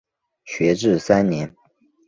学制三年。